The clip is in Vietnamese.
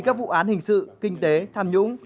các vụ án hình sự kinh tế tham nhũng